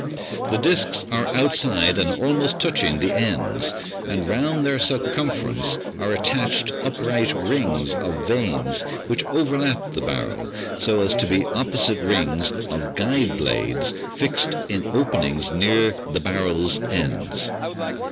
The disks are outside and almost touching the ends, and round their circum ference are attached upright rings of vanes which overlap the barrel, so as to be opposite rings of guide blades fixed in open ings near the barrel's ends.